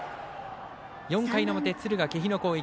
４回の表、敦賀気比の攻撃。